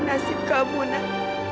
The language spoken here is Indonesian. masih kamu nek